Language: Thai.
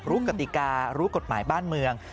กติการู้กฎหมายบ้านเมือง